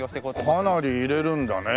かなり入れるんだね。